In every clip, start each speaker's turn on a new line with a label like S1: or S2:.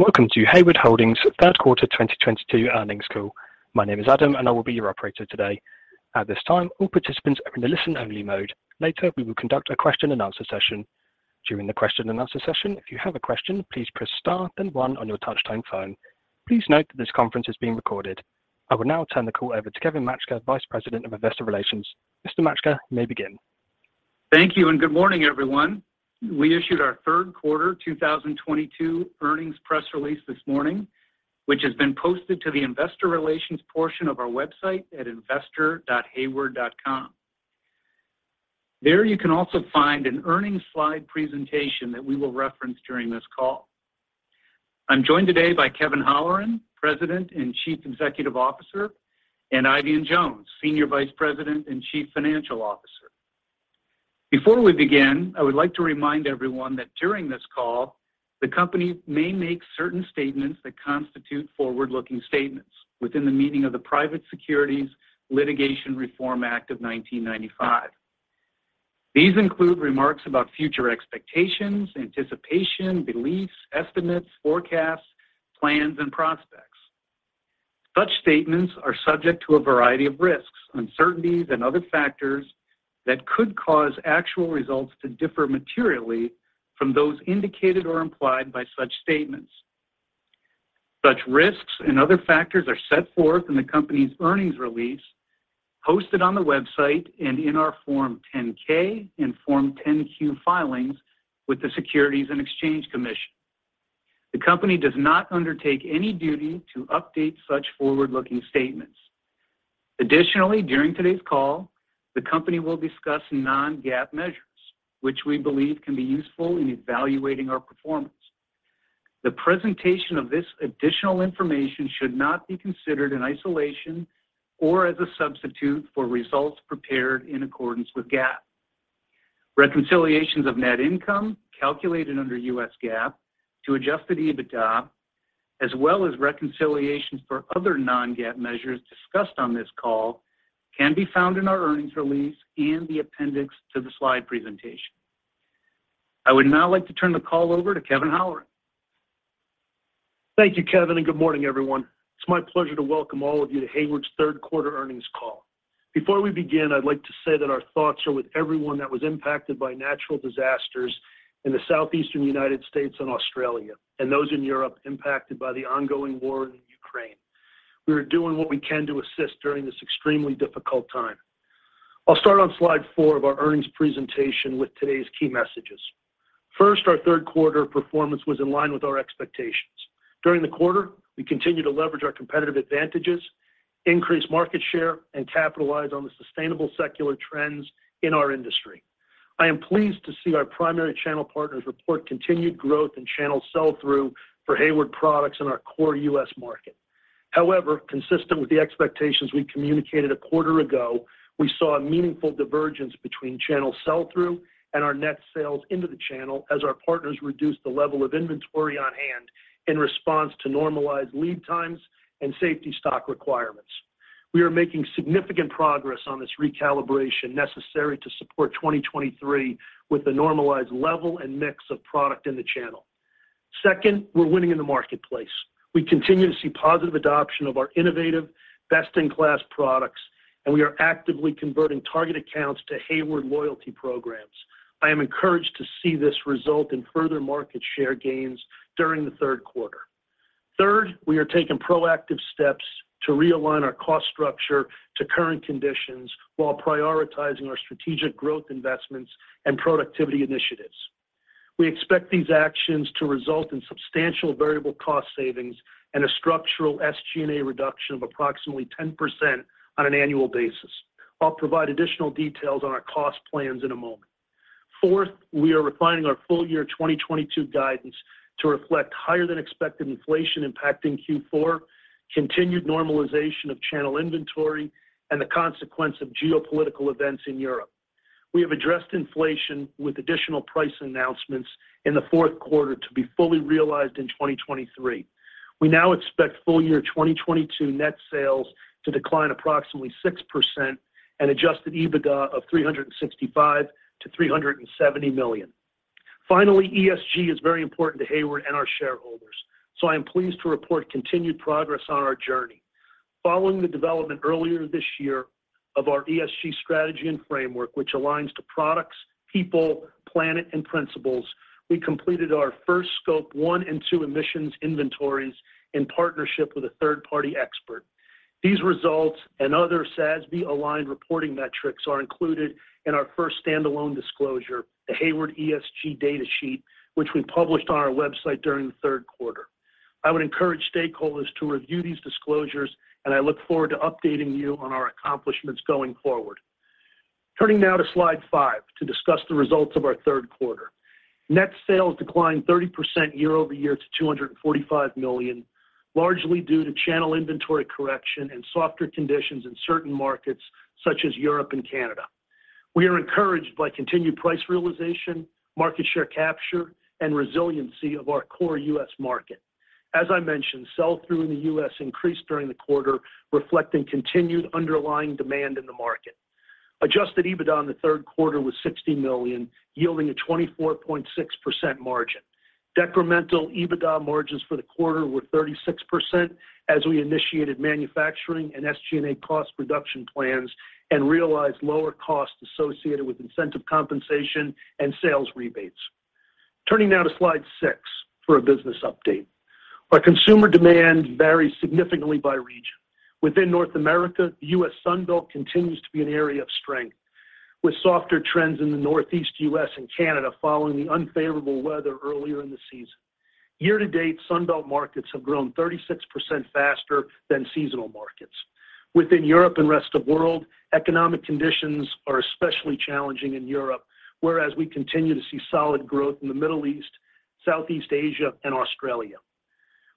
S1: Welcome to Hayward Holdings third quarter 2022 earnings call. My name is Adam, and I will be your operator today. At this time, all participants are in the listen only mode. Later, we will conduct a question-and-answer session. During the question-and-answer session, if you have a question, please press star then one on your touch tone phone. Please note that this conference is being recorded. I will now turn the call over to Kevin Maczka, Vice President of Investor Relations. Mr. Maczka, you may begin.
S2: Thank you, and good morning, everyone. We issued our third quarter 2022 earnings press release this morning, which has been posted to the Investor Relations portion of our website at investor.hayward.com. There you can also find an earnings slide presentation that we will reference during this call. I'm joined today by Kevin Holleran, President and Chief Executive Officer, and Eifion Jones, Senior Vice President and Chief Financial Officer. Before we begin, I would like to remind everyone that during this call, the company may make certain statements that constitute forward-looking statements within the meaning of the Private Securities Litigation Reform Act of 1995. These include remarks about future expectations, anticipation, beliefs, estimates, forecasts, plans, and prospects. Such statements are subject to a variety of risks, uncertainties, and other factors that could cause actual results to differ materially from those indicated or implied by such statements. Such risks and other factors are set forth in the company's earnings release posted on the website and in our Form 10-K and Form 10-Q filings with the Securities and Exchange Commission. The company does not undertake any duty to update such forward-looking statements. Additionally, during today's call, the company will discuss non-GAAP measures, which we believe can be useful in evaluating our performance. The presentation of this additional information should not be considered in isolation or as a substitute for results prepared in accordance with GAAP. Reconciliations of net income calculated under U.S. GAAP to adjusted EBITDA, as well as reconciliations for other non-GAAP measures discussed on this call can be found in our earnings release in the appendix to the slide presentation. I would now like to turn the call over to Kevin Holleran.
S3: Thank you, Kevin, and good morning, everyone. It's my pleasure to welcome all of you to Hayward's third quarter earnings call. Before we begin, I'd like to say that our thoughts are with everyone that was impacted by natural disasters in the southeastern United States and Australia and those in Europe impacted by the ongoing war in Ukraine. We are doing what we can to assist during this extremely difficult time. I'll start on slide four of our earnings presentation with today's key messages. First, our third quarter performance was in line with our expectations. During the quarter, we continued to leverage our competitive advantages, increase market share, and capitalize on the sustainable secular trends in our industry. I am pleased to see our primary channel partners report continued growth and channel sell-through for Hayward products in our core U.S. market. However, consistent with the expectations we communicated a quarter ago, we saw a meaningful divergence between channel sell-through and our net sales into the channel as our partners reduced the level of inventory on hand in response to normalized lead times and safety stock requirements. We are making significant progress on this recalibration necessary to support 2023 with a normalized level and mix of product in the channel. Second, we're winning in the marketplace. We continue to see positive adoption of our innovative, best-in-class products, and we are actively converting target accounts to Hayward loyalty programs. I am encouraged to see this result in further market share gains during the third quarter. Third, we are taking proactive steps to realign our cost structure to current conditions while prioritizing our strategic growth investments and productivity initiatives. We expect these actions to result in substantial variable cost savings and a structural SG&A reduction of approximately 10% on an annual basis. I'll provide additional details on our cost plans in a moment. Fourth, we are refining our full year 2022 guidance to reflect higher than expected inflation impacting Q4, continued normalization of channel inventory, and the consequence of geopolitical events in Europe. We have addressed inflation with additional price announcements in the fourth quarter to be fully realized in 2023. We now expect full year 2022 net sales to decline approximately 6% and adjusted EBITDA of $365 million-$370 million. Finally, ESG is very important to Hayward and our shareholders, so I am pleased to report continued progress on our journey. Following the development earlier this year of our ESG strategy and framework, which aligns to products, people, planet, and principles, we completed our first Scope 1 and 2 emissions inventories in partnership with a third-party expert. These results and other SASB-aligned reporting metrics are included in our first standalone disclosure, the Hayward ESG data sheet, which we published on our website during the third quarter. I would encourage stakeholders to review these disclosures, and I look forward to updating you on our accomplishments going forward. Turning now to slide five to discuss the results of our third quarter. Net sales declined 30% year-over-year to $245 million, largely due to channel inventory correction and softer conditions in certain markets such as Europe and Canada. We are encouraged by continued price realization, market share capture, and resiliency of our core U.S. market. As I mentioned, sell-through in the U.S. increased during the quarter, reflecting continued underlying demand in the market. Adjusted EBITDA in the third quarter was $60 million, yielding a 24.6% margin. Decremental EBITDA margins for the quarter were 36% as we initiated manufacturing and SG&A cost reduction plans and realized lower costs associated with incentive compensation and sales rebates. Turning now to slide six for a business update. Our consumer demand varies significantly by region. Within North America, the U.S. Sun Belt continues to be an area of strength, with softer trends in the Northeast U.S. and Canada following the unfavorable weather earlier in the season. Year-to-date, Sun Belt markets have grown 36% faster than seasonal markets. Within Europe & Rest of World, economic conditions are especially challenging in Europe, whereas we continue to see solid growth in the Middle East, Southeast Asia and Australia.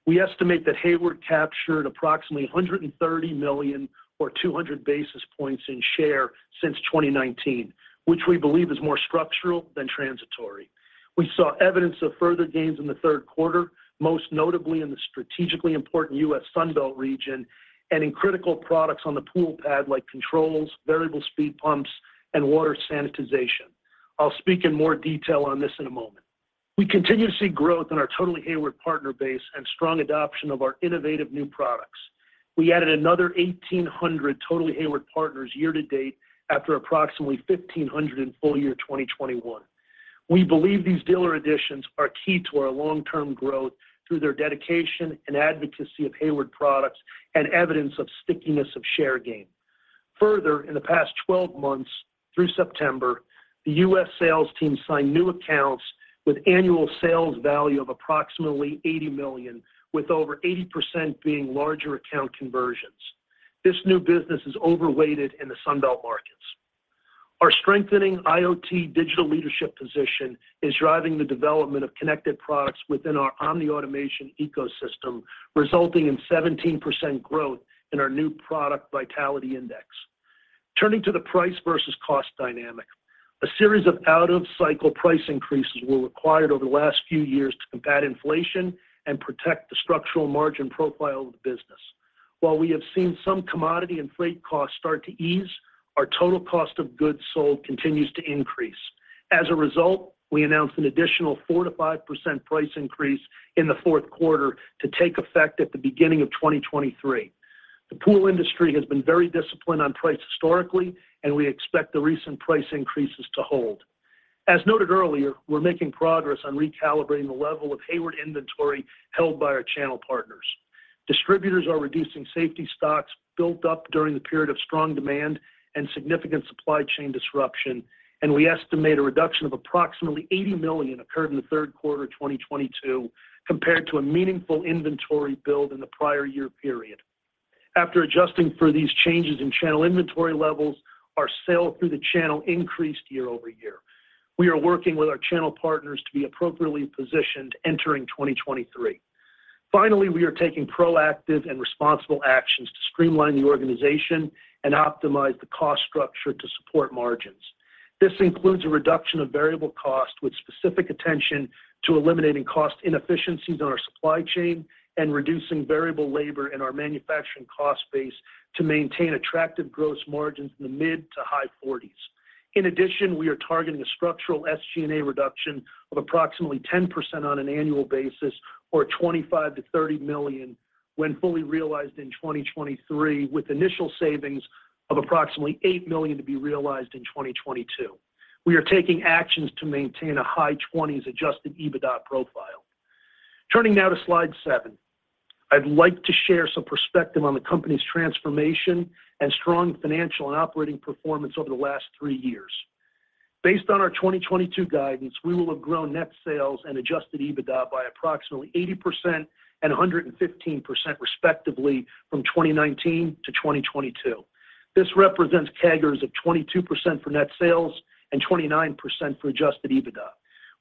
S3: We estimate that Hayward captured approximately $130 million or 200 basis points in share since 2019, which we believe is more structural than transitory. We saw evidence of further gains in the third quarter, most notably in the strategically important U.S. Sun Belt region and in critical products on the pool pad like controls, variable speed pumps and water sanitization. I'll speak in more detail on this in a moment. We continue to see growth in our Totally Hayward partner base and strong adoption of our innovative new products. We added another 1,800 total Hayward partners year-to-date after approximately 1,500 in full year 2021. We believe these dealers additions are key to our long-term growth through their dedication and advocacy of Hayward products and evidence of stickiness of share gain. Further, in the past 12 months through September, the U.S. sales team signed new accounts with annual sales value of approximately $80 million, with over 80% being larger account conversions. This new business is overweighted in the Sun Belt markets. Our strengthening IoT digital leadership position is driving the development of connected products within our Omni Automation ecosystem, resulting in 17% growth in our New Product Vitality Index. Turning to the price versus cost dynamic. A series of out-of-cycle price increases were required over the last few years to combat inflation and protect the structural margin profile of the business. While we have seen some commodity and freight costs start to ease, our total cost of goods sold continues to increase. As a result, we announced an additional 4%-5% price increase in the fourth quarter to take effect at the beginning of 2023. The pool industry has been very disciplined on price historically, and we expect the recent price increases to hold. As noted earlier, we're making progress on recalibrating the level of Hayward inventory held by our channel partners. Distributors are reducing safety stocks built up during the period of strong demand and significant supply chain disruption, and we estimate a reduction of approximately $80 million occurred in the third quarter 2022 compared to a meaningful inventory build in the prior year period. After adjusting for these changes in channel inventory levels, our sale through the channel increased year-over-year. We are working with our channel partners to be appropriately positioned entering 2023. Finally, we are taking proactive and responsible actions to streamline the organization and optimize the cost structure to support margins. This includes a reduction of variable cost with specific attention to eliminating cost inefficiencies in our supply chain and reducing variable labor in our manufacturing cost base to maintain attractive gross margins in the mid to high 40s%. In addition, we are targeting a structural SG&A reduction of approximately 10% on an annual basis or $25 million-$30 million when fully realized in 2023, with initial savings of approximately $8 million to be realized in 2022. We are taking actions to maintain a high 20s% adjusted EBITDA profile. Turning now to slide seven. I'd like to share some perspective on the company's transformation and strong financial and operating performance over the last three years. Based on our 2022 guidance, we will have grown net sales and adjusted EBITDA by approximately 80% and 115% respectively from 2019 to 2022. This represents CAGRs of 22% for net sales and 29% for adjusted EBITDA.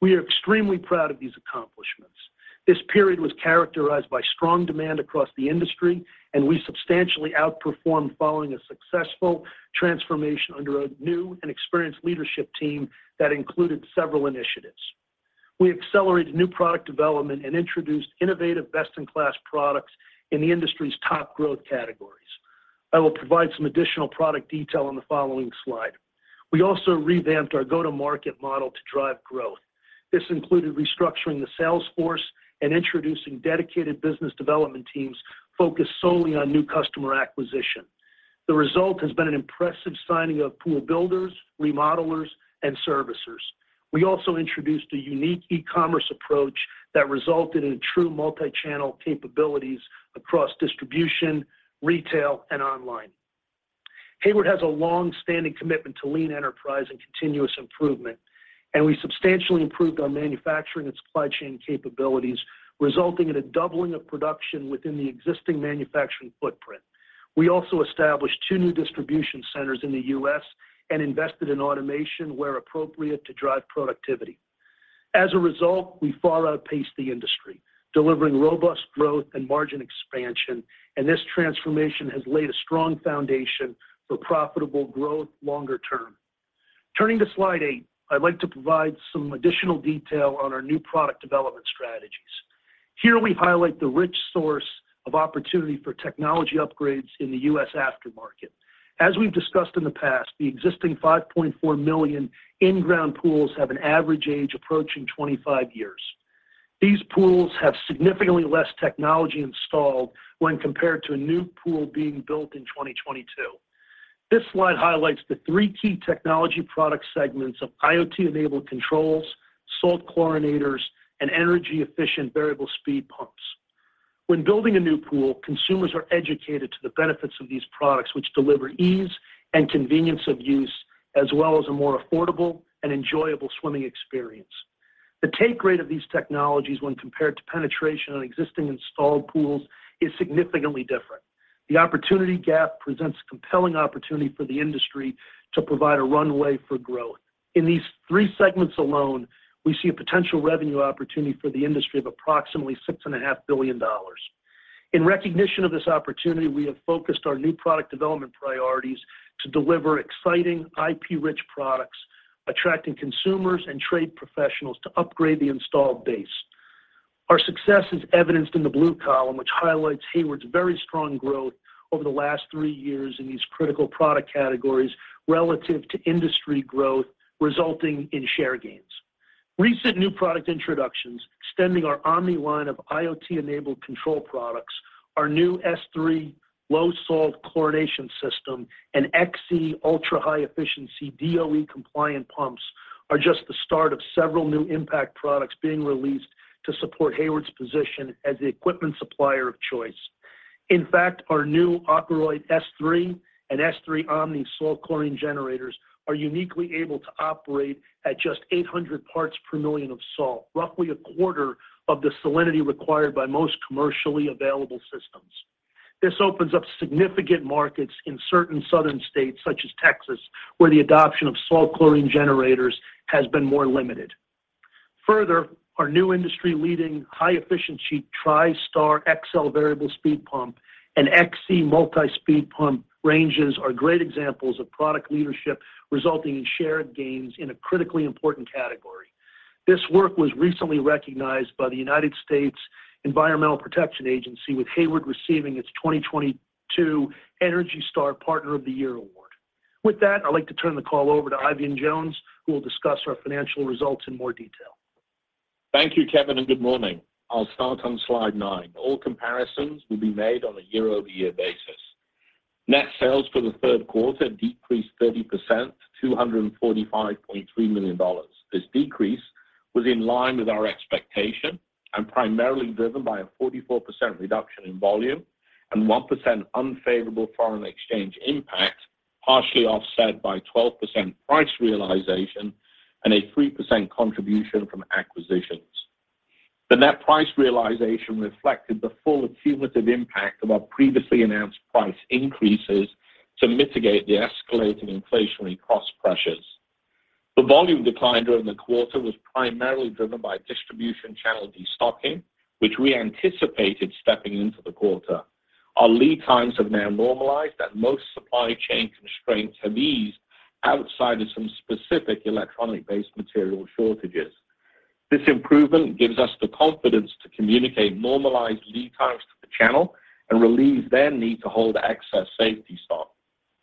S3: We are extremely proud of these accomplishments. This period was characterized by strong demand across the industry, and we substantially outperformed following a successful transformation under a new and experienced leadership team that included several initiatives. We accelerated new product development and introduced innovative, best-in-class products in the industry's top growth categories. I will provide some additional product detail on the following slide. We also revamped our go-to-market model to drive growth. This included restructuring the sales force and introducing dedicated business development teams focused solely on new customer acquisition. The result has been an impressive signing of pool builders, remodelers, and servicers. We also introduced a unique e-commerce approach that resulted in true multi-channel capabilities across distribution, retail, and online. Hayward has a long-standing commitment to lean enterprise and continuous improvement, and we substantially improved our manufacturing and supply chain capabilities, resulting in a doubling of production within the existing manufacturing footprint. We also established two new distribution centers in the U.S. and invested in automation where appropriate to drive productivity. As a result, we far outpaced the industry, delivering robust growth and margin expansion, and this transformation has laid a strong foundation for profitable growth longer term. Turning to slide eight, I'd like to provide some additional detail on our new product development strategies. Here we highlight the rich source of opportunity for technology upgrades in the U.S. aftermarket. As we've discussed in the past, the existing 5.4 million in-ground pools have an average age approaching 25 years. These pools have significantly less technology installed when compared to a new pool being built in 2022. This slide highlights the three key technology product segments of IoT-enabled controls, salt chlorinators, and energy-efficient variable speed pumps. When building a new pool, consumers are educated to the benefits of these products, which deliver ease and convenience of use, as well as a more affordable and enjoyable swimming experience. The take rate of these technologies when compared to penetration on existing installed pools is significantly different. The opportunity gap presents compelling opportunity for the industry to provide a runway for growth. In these three segments alone, we see a potential revenue opportunity for the industry of approximately $6.5 billion. In recognition of this opportunity, we have focused our new product development priorities to deliver exciting IP-rich products, attracting consumers and trade professionals to upgrade the installed base. Our success is evidenced in the blue column, which highlights Hayward's very strong growth over the last three years in these critical product categories relative to industry growth, resulting in share gains. Recent new product introductions extending our Omni line of IoT-enabled control products, our new S3 low-salt chlorination system, and XC ultra-high-efficiency DOE-compliant pumps are just the start of several new impact products being released to support Hayward's position as the equipment supplier of choice. In fact, our new AquaRite S3 and S3 Omni Salt chlorine generators are uniquely able to operate at just 800 parts per million of salt, roughly 1/4 of the salinity required by most commercially available systems. This opens up significant markets in certain southern states, such as Texas, where the adoption of salt chlorine generators has been more limited. Further, our new industry-leading, high-efficiency TriStar XL variable speed pump and XE multispeed pump ranges are great examples of product leadership resulting in shared gains in a critically important category. This work was recently recognized by the United States Environmental Protection Agency, with Hayward receiving its 2022 ENERGY STAR Partner of the Year award. With that, I'd like to turn the call over to Eifion Jones, who will discuss our financial results in more detail.
S4: Thank you, Kevin, and good morning. I'll start on slide nine. All comparisons will be made on a year-over-year basis. Net sales for the third quarter decreased 30% to $245.3 million. This decrease was in line with our expectation and primarily driven by a 44% reduction in volume and 1% unfavorable foreign exchange impact, partially offset by 12% price realization and a 3% contribution from acquisitions. The net price realization reflected the full accumulative impact of our previously announced price increases to mitigate the escalating inflationary cost pressures. The volume decline during the quarter was primarily driven by distribution channel de-stocking, which we anticipated stepping into the quarter. Our lead times have now normalized, and most supply chain constraints have eased outside of some specific electronic-based material shortages. This improvement gives us the confidence to communicate normalized lead times to the channel and relieve their need to hold excess safety stock.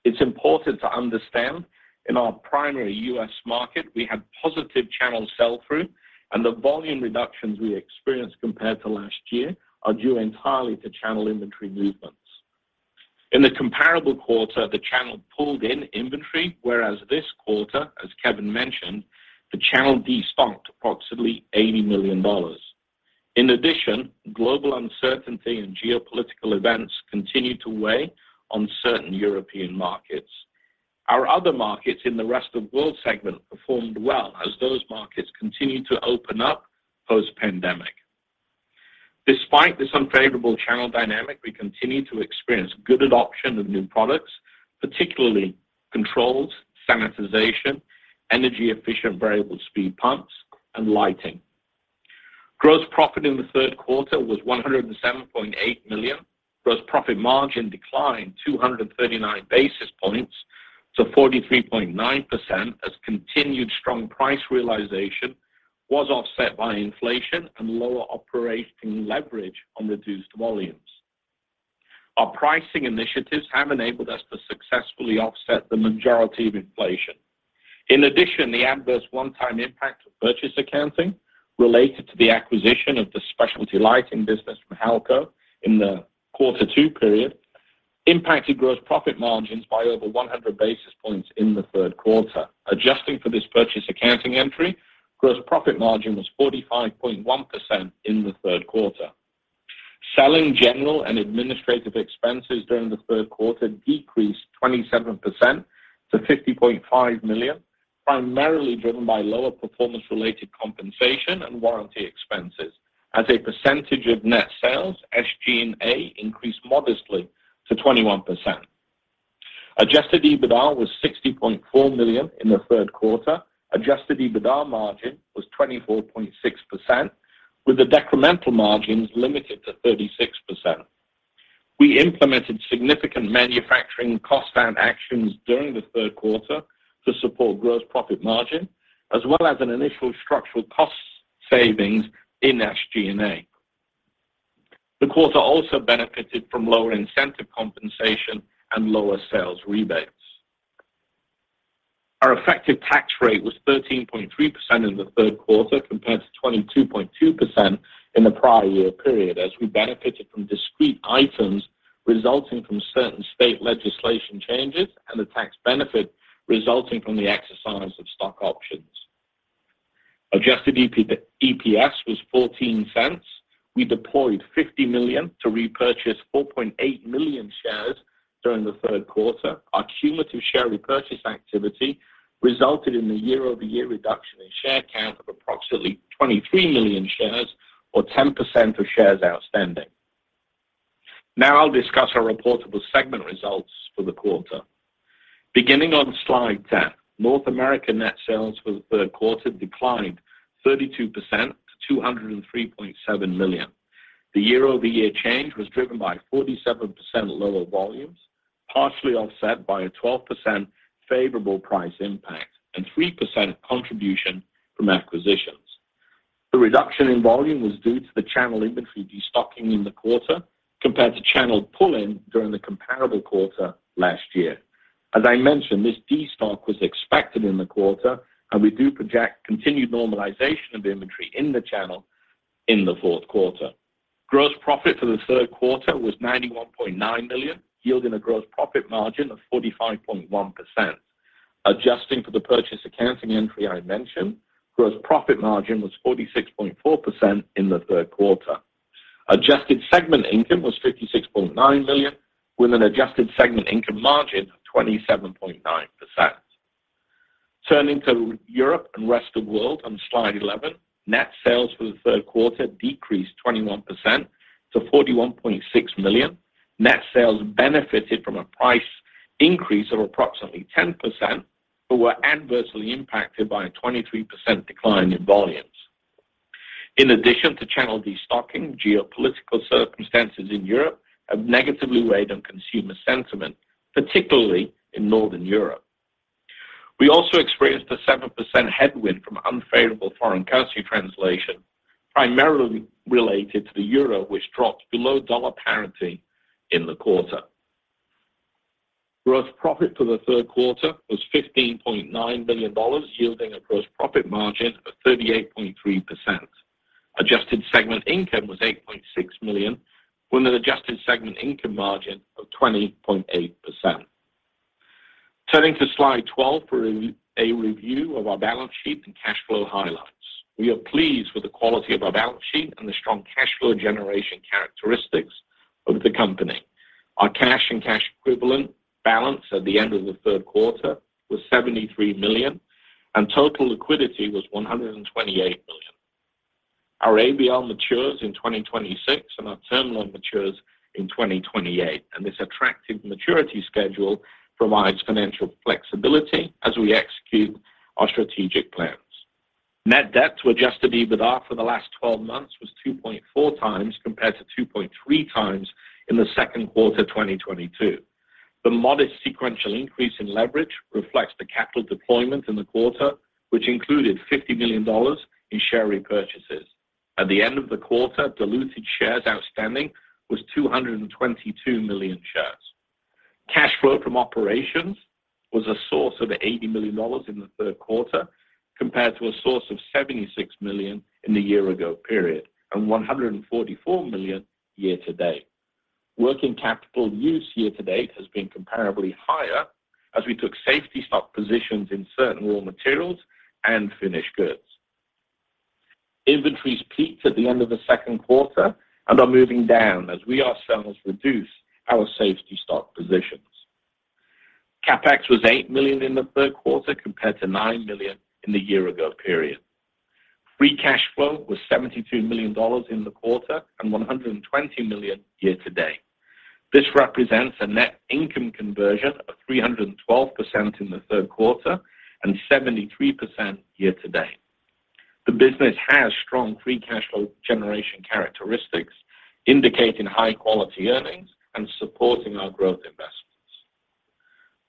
S4: It's important to understand in our primary U.S. market, we have positive channel sell-through, and the volume reductions we experienced compared to last year are due entirely to channel inventory movements. In the comparable quarter, the channel pulled in inventory, whereas this quarter, as Kevin mentioned, the channel de-stocked approximately $80 million. In addition, global uncertainty and geopolitical events continued to weigh on certain European markets. Our other markets in the Rest of World segment performed well as those markets continued to open up post-pandemic. Despite this unfavorable channel dynamic, we continued to experience good adoption of new products, particularly controls, sanitization, energy-efficient variable speed pumps, and lighting. Gross profit in the third quarter was $107.8 million. Gross profit margin declined 239 basis points to 43.9% as continued strong price realization was offset by inflation and lower operating leverage on reduced volumes. Our pricing initiatives have enabled us to successfully offset the majority of inflation. In addition, the adverse one-time impact of purchase accounting related to the acquisition of the specialty lighting business from Halco in the quarter two period impacted gross profit margins by over 100 basis points in the third quarter. Adjusting for this purchase accounting entry, gross profit margin was 45.1% in the third quarter. Selling, general, and administrative expenses during the third quarter decreased 27% to $50.5 million, primarily driven by lower performance-related compensation and warranty expenses. As a percentage of net sales, SG&A increased modestly to 21%. Adjusted EBITDA was $60.4 million in the third quarter. Adjusted EBITDA margin was 24.6%, with the decremental margins limited to 36%. We implemented significant manufacturing cost and actions during the third quarter to support gross profit margin as well as an initial structural cost savings in SG&A. The quarter also benefited from lower incentive compensation and lower sales rebates. Our effective tax rate was 13.3% in the third quarter compared to 22.2% in the prior year period as we benefited from discrete items resulting from certain state legislation changes and the tax benefit resulting from the exercise of stock options. Adjusted EPS was $0.14. We deployed $50 million to repurchase 4.8 million shares during the third quarter. Our cumulative share repurchase activity resulted in the year-over-year reduction in share count of approximately 23 million shares or 10% of shares outstanding. Now I'll discuss our reportable segment results for the quarter. Beginning on slide 10, North America net sales for the third quarter declined 32% to $203.7 million. The year-over-year change was driven by 47% lower volumes, partially offset by a 12% favorable price impact and 3% contribution from acquisitions. The reduction in volume was due to the channel inventory de-stocking in the quarter compared to channel pull-in during the comparable quarter last year. As I mentioned, this de-stock was expected in the quarter, and we do project continued normalization of inventory in the channel in the fourth quarter. Gross profit for the third quarter was $91.9 million, yielding a gross profit margin of 45.1%. Adjusting for the purchase accounting entry I mentioned, gross profit margin was 46.4% in the third quarter. Adjusted segment income was $56.9 million, with an adjusted segment income margin of 27.9%. Turning to Europe & Rest of World on slide 11. Net sales for the third quarter decreased 21% to $41.6 million. Net sales benefited from a price increase of approximately 10% but were adversely impacted by a 23% decline in volumes. In addition to channel de-stocking, geopolitical circumstances in Europe have negatively weighed on consumer sentiment, particularly in Northern Europe. We also experienced a 7% headwind from unfavorable foreign currency translation, primarily related to the euro, which dropped below dollar parity in the quarter. Gross profit for the third quarter was $15.9 million, yielding a gross profit margin of 38.3%. Adjusted segment income was $8.6 million, with an adjusted segment income margin of 20.8%. Turning to slide 12 for a review of our balance sheet and cash flow highlights. We are pleased with the quality of our balance sheet and the strong cash flow generation characteristics of the company. Our cash and cash equivalent balance at the end of the third quarter was $73 million, and total liquidity was $128 million. Our ABL matures in 2026, and our term loan matures in 2028. This attractive maturity schedule provides financial flexibility as we execute our strategic plans. Net debt to adjusted EBITDA for the last 12 months was 2.4x compared to 2.3x in the second quarter 2022. The modest sequential increase in leverage reflects the capital deployment in the quarter, which included $50 million in share repurchases. At the end of the quarter, diluted shares outstanding was 222 million shares. Cash flow from operations was a source of $80 million in the third quarter, compared to a source of $76 million in the year ago period, and $144 million year-to-date. Working capital use year-to-date has been comparably higher as we took safety stock positions in certain raw materials and finished goods. Inventories peaked at the end of the second quarter and are moving down as we ourselves reduce our safety stock positions. CapEx was $8 million in the third quarter compared to $9 million in the year ago period. Free cash flow was $72 million in the quarter and $120 million year-to-date. This represents a net income conversion of 312% in the third quarter and 73% year-to-date. The business has strong free cash flow generation characteristics indicating high quality earnings and supporting our growth investments.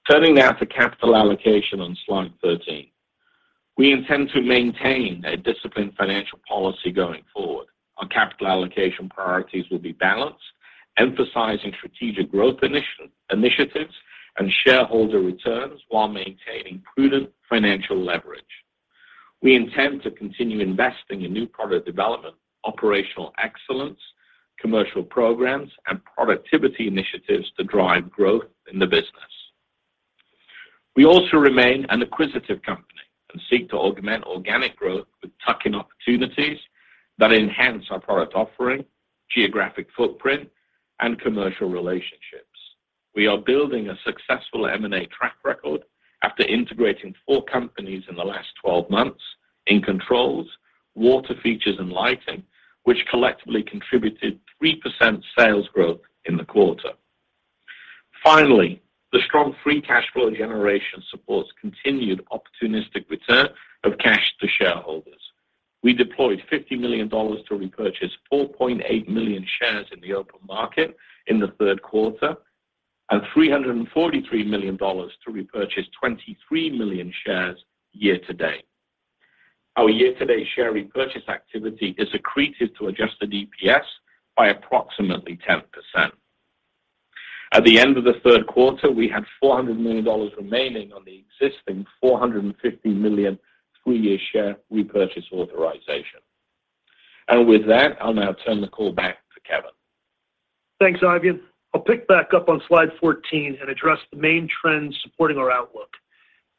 S4: Turning now to capital allocation on slide 13. We intend to maintain a disciplined financial policy going forward. Our capital allocation priorities will be balanced, emphasizing strategic growth initiatives and shareholder returns while maintaining prudent financial leverage. We intend to continue investing in new product development, operational excellence, commercial programs, and productivity initiatives to drive growth in the business. We also remain an acquisitive company and seek to augment organic growth with tuck-in opportunities that enhance our product offering, geographic footprint, and commercial relationships. We are building a successful M&A track record after integrating four companies in the last 12 months in controls, water features, and lighting, which collectively contributed 3% sales growth in the quarter. Finally, the strong free cash flow generation supports continued opportunistic return of cash to shareholders. We deployed $50 million to repurchase 4.8 million shares in the open market in the third quarter, and $343 million to repurchase 23 million shares year-to-date. Our year-to-date share repurchase activity is accretive to adjusted EPS by approximately 10%. At the end of the third quarter, we had $400 million remaining on the existing $450 million three-year share repurchase authorization. With that, I'll now turn the call back to Kevin.
S3: Thanks, Eifion. I'll pick back up on slide 14 and address the main trends supporting our outlook.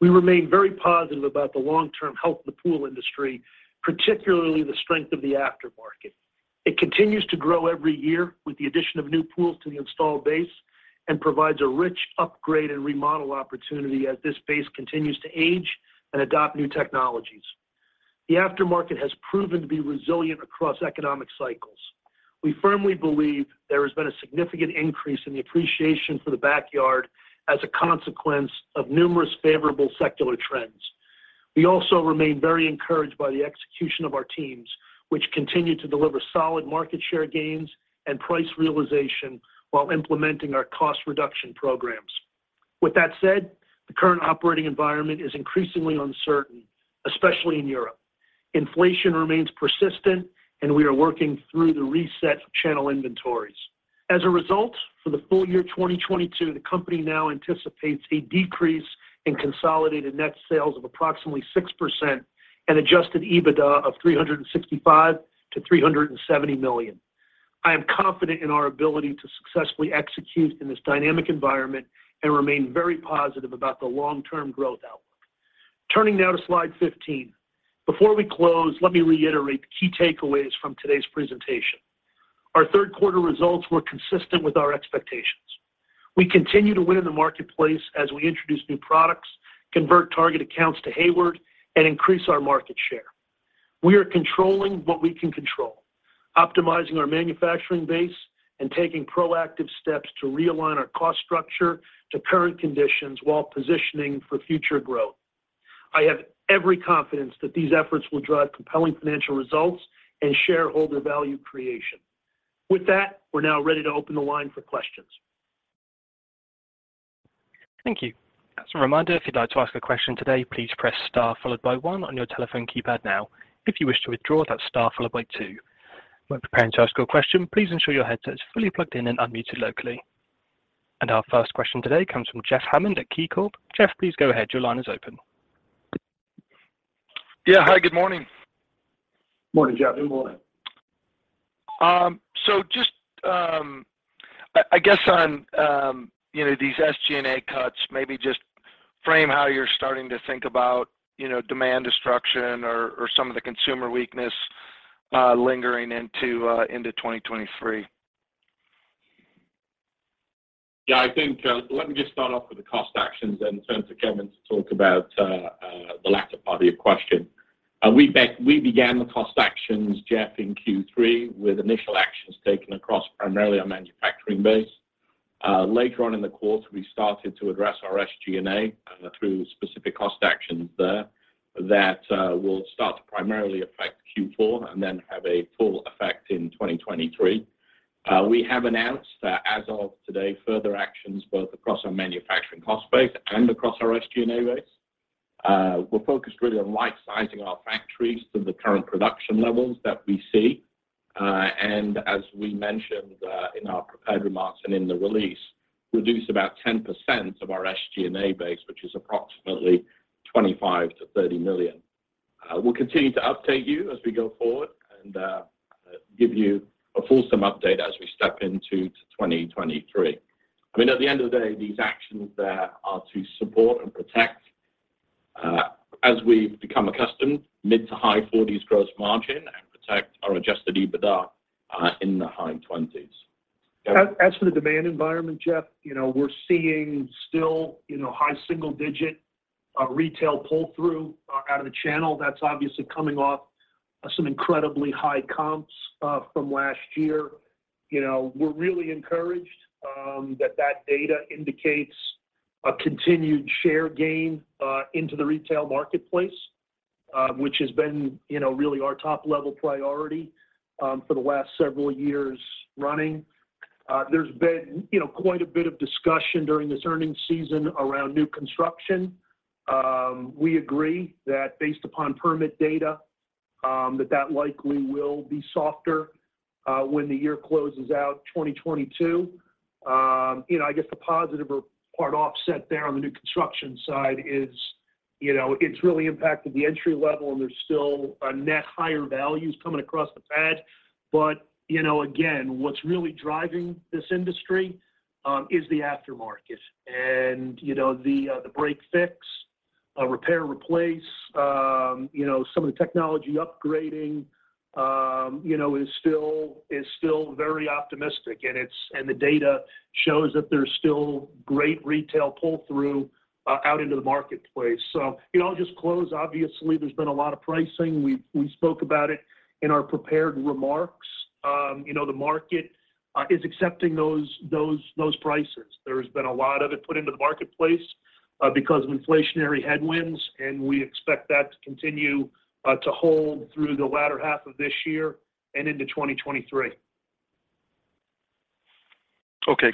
S3: We remain very positive about the long-term health of the pool industry, particularly the strength of the aftermarket. It continues to grow every year with the addition of new pools to the installed base and provides a rich upgrade and remodel opportunity as this base continues to age and adopt new technologies. The aftermarket has proven to be resilient across economic cycles. We firmly believe there has been a significant increase in the appreciation for the backyard as a consequence of numerous favorable secular trends. We also remain very encouraged by the execution of our teams, which continue to deliver solid market share gains and price realization while implementing our cost reduction programs. With that said, the current operating environment is increasingly uncertain, especially in Europe. Inflation remains persistent, and we are working through the reset of channel inventories. As a result, for the full year 2022, the company now anticipates a decrease in consolidated net sales of approximately 6% and adjusted EBITDA of $365 million-$370 million. I am confident in our ability to successfully execute in this dynamic environment and remain very positive about the long-term growth outlook. Turning now to slide 15. Before we close, let me reiterate the key takeaways from today's presentation. Our third quarter results were consistent with our expectations. We continue to win in the marketplace as we introduce new products, convert target accounts to Hayward, and increase our market share. We are controlling what we can control, optimizing our manufacturing base and taking proactive steps to realign our cost structure to current conditions while positioning for future growth. I have every confidence that these efforts will drive compelling financial results and shareholder value creation. With that, we're now ready to open the line for questions.
S1: Thank you. As a reminder, if you'd like to ask a question today, please press star followed by one on your telephone keypad now. If you wish to withdraw, that's star followed by two. When preparing to ask your question, please ensure your headset is fully plugged in and unmuted locally. Our first question today comes from Jeff Hammond at KeyCorp. Jeff, please go ahead. Your line is open.
S5: Yeah. Hi, good morning.
S3: Morning, Jeff.
S4: Good morning.
S5: Just, I guess on, you know, these SG&A cuts, maybe just frame how you're starting to think about, you know, demand destruction or some of the consumer weakness lingering into 2023.
S4: Yeah, I think, let me just start off with the cost actions and turn to Kevin to talk about the latter part of your question. We began the cost actions, Jeff, in Q3 with initial actions taken across primarily our manufacturing base. Later on in the quarter, we started to address our SG&A through specific cost actions there that will start to primarily affect Q4 and then have a full effect in 2023. We have announced that as of today, further actions both across our manufacturing cost base and across our SG&A base. We're focused really on right-sizing our factories to the current production levels that we see, and as we mentioned, in our prepared remarks and in the release, reduce about 10% of our SG&A base, which is approximately $25 million-$30 million. We'll continue to update you as we go forward and give you a fulsome update as we step into 2023. I mean, at the end of the day, these actions there are to support and protect, as we've become accustomed, mid to high 40s% gross margin and protect our adjusted EBITDA in the high 20s%.
S3: As for the demand environment, Jeff, you know, we're seeing still, you know, high single-digit retail pull-through out of the channel. That's obviously coming off some incredibly high comps from last year. You know, we're really encouraged that data indicates a continued share gain into the retail marketplace, which has been, you know, really our top-level priority for the last several years running. There's been, you know, quite a bit of discussion during this earnings season around new construction. We agree that based upon permit data, that likely will be softer when the year closes out, 2022. You know, I guess the positive partial offset there on the new construction side is, you know, it's really impacted the entry-level, and there's still a net higher values coming across the pad. You know, again, what's really driving this industry is the aftermarket and, you know, the break-fix repair and replace. You know, some of the technology upgrading, you know, is still very optimistic, and the data shows that there's still great retail pull-through out into the marketplace. You know, I'll just close. Obviously, there's been a lot of pricing. We spoke about it in our prepared remarks. You know, the market is accepting those prices. There has been a lot of it put into the marketplace because of inflationary headwinds, and we expect that to continue to hold through the latter half of this year and into 2023.
S5: Okay.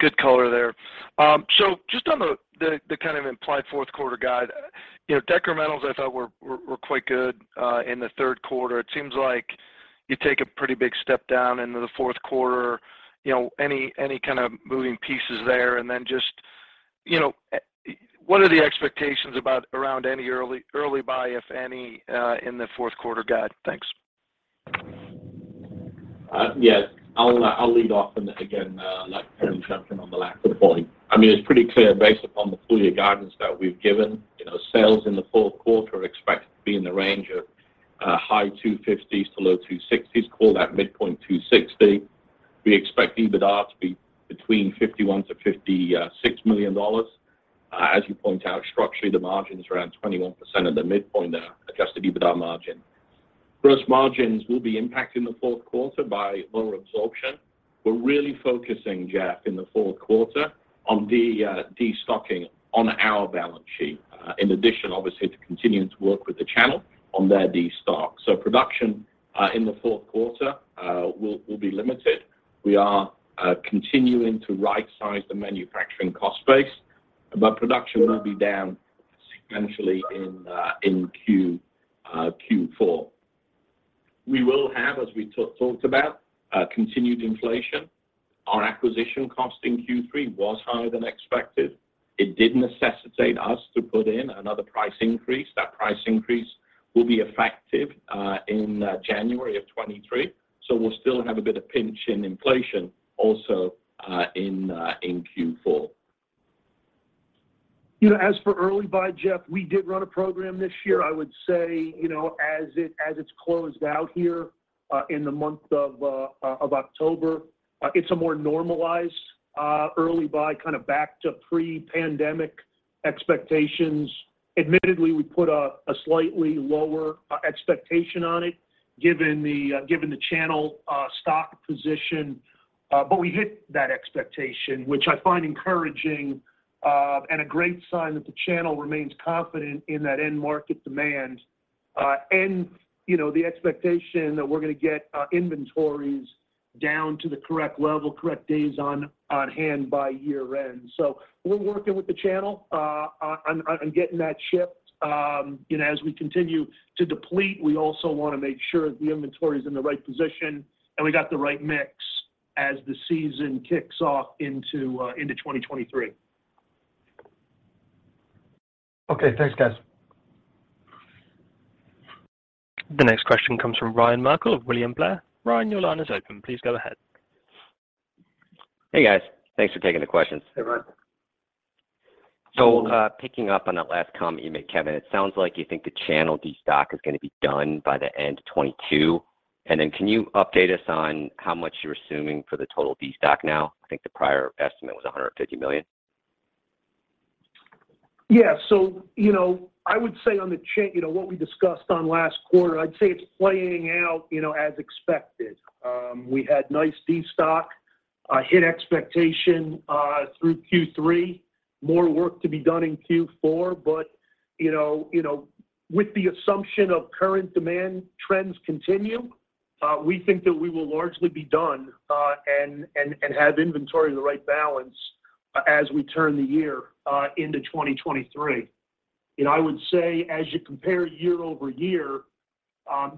S5: Good color there. Just on the kind of implied fourth quarter guide. You know, incrementals I thought were quite good in the third quarter. It seems like you take a pretty big step down into the fourth quarter. You know, any kind of moving pieces there, and then just, you know, what are the expectations about, around any early buy, if any, in the fourth quarter guide? Thanks.
S4: Yeah. I'll lead off on this again, like Kevin jumped in on the last point. I mean, it's pretty clear based upon the full year guidance that we've given. You know, sales in the fourth quarter are expected to be in the range of high $250 million to low $260 million. Call that midpoint $260 million. We expect EBITDA to be between $51 million-$56 million. As you point out, structurally the margin's around 21% of the midpoint there, adjusted EBITDA margin. Gross margins will be impacted in the fourth quarter by lower absorption. We're really focusing, Jeff, in the fourth quarter on the destocking on our balance sheet. In addition, obviously, to continuing to work with the channel on their destock. Production in the fourth quarter will be limited. We are continuing to right size the manufacturing cost base, but production will be down substantially in Q4. We will have, as we talked about, continued inflation. Our acquisition cost in Q3 was higher than expected. It did necessitate us to put in another price increase. That price increase will be effective in January of 2023. We'll still have a bit of pinch in inflation also in Q4.
S3: You know, as for early buy, Jeff, we did run a program this year. I would say, you know, as it's closed out here in the month of October, it's a more normalized early buy, kind of back to pre-pandemic expectations. Admittedly, we put a slightly lower expectation on it given the channel stock position. We hit that expectation, which I find encouraging, and a great sign that the channel remains confident in that end market demand. You know, the expectation that we're gonna get our inventories down to the correct level, correct days on hand by year-end. We're working with the channel on getting that shipped. You know, as we continue to deplete, we also wanna make sure the inventory's in the right position and we got the right mix as the season kicks off into 2023.
S5: Okay. Thanks, guys.
S1: The next question comes from Ryan Merkel of William Blair. Ryan, your line is open. Please go ahead.
S6: Hey, guys. Thanks for taking the questions.
S3: Hey, Ryan.
S6: Picking up on that last comment you made, Kevin, it sounds like you think the channel destock is gonna be done by the end of 2022. Then can you update us on how much you're assuming for the total destock now? I think the prior estimate was $150 million.
S3: You know, I would say what we discussed on last quarter, I'd say it's playing out, you know, as expected. We had nice destock hit expectation through Q3. More work to be done in Q4, but you know with the assumption of current demand trends continue, we think that we will largely be done and have inventory in the right balance as we turn the year into 2023. You know, I would say as you compare year-over-year,